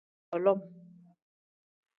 Bolom.